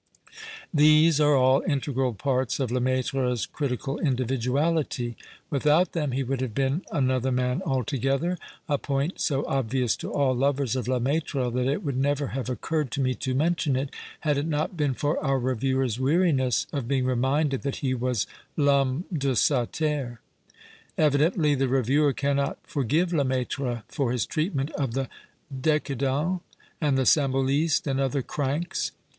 These arc all integral parts of Lemaitrc's critical individuality. Without them he would have been another man altogether — a point so obvious to all lovers of Lemaitre that it woidd never have occurred to me to mention it, had it not been for our reviewer's weariness of being reminded that he was " I'hommc de sa terre." Evidently the reviewer cannot for give Lemaitre for his treatment of the " decadents " and the " symbolistes," and other cranks.